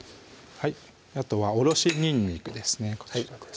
あとはおろしにんにくですねこちらです